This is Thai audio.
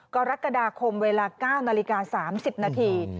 กรกฎาคมเวลา๙นาฬิกา๓๐นาที